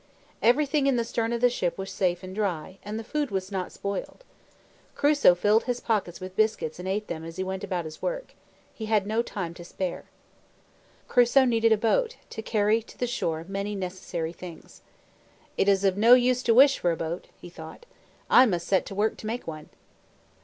Everything in the stern of the ship was safe and dry, and the food was not spoiled. Crusoe filled his pockets with biscuits and ate them as he went about his work. He had no time to spare. Crusoe needed a boat, to carry to the shore many necessary things. "It is of no use to wish for a boat," he thought, "I must set to work to make one."